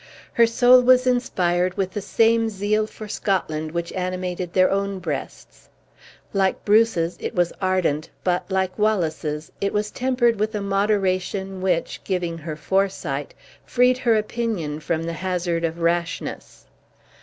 Her soul was inspired with the same zeal for Scotland which animated their own breasts; like Bruce's it was ardent; but, like Wallace's, it was tempered with a moderation which, giving her foresight, freed her opinion from the hazard of rashness.